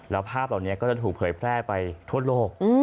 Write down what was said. แล้วภาพเหล่านี้ก็จะถูกเผยแพร่ไปทั่วโลก